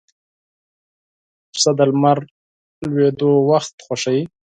پسه د لمر لوېدو وخت خوښوي.